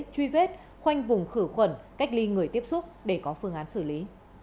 truy vết khoanh vùng khử khuẩn cách ly người tiếp xúc để có phương án xử lý